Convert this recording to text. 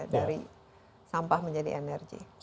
dari sampah menjadi sumber energi ya